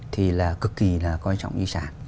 thì là cực kỳ là quan trọng di sản